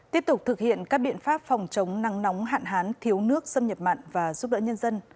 tiếp tục thực hiện các biện pháp phòng chống nắng nóng hạn hán thiếu nước xâm nhập mặn và giúp đỡ nhân dân